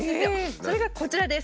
それがこちらです。